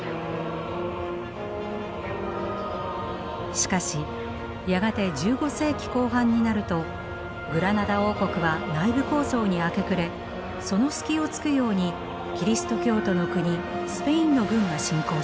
しかしやがて１５世紀後半になるとグラナダ王国は内部抗争に明け暮れその隙をつくようにキリスト教徒の国スペインの軍が侵攻します。